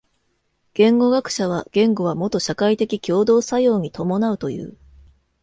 言語学者は言語はもと社会的共同作用に伴うという。